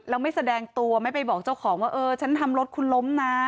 แล้วไม่แสดงตัวไม่ไปบอกเจ้าของว่าเออฉันทำรถคุณล้มนะ